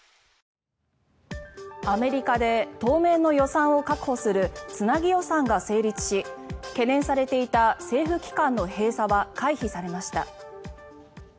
アメリカで当面の予算を確保するつなぎ予算が成立し懸念されていた政府機関の閉鎖は回避されました。